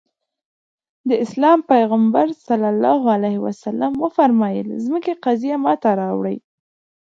د اسلام پيغمبر ص وفرمايل ځمکې قضيه ماته راوړي.